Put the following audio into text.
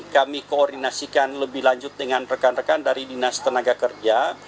kami koordinasikan lebih lanjut dengan rekan rekan dari dinas tenaga kerja